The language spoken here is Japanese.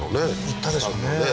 行ったでしょうね